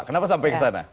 kenapa sampai kesana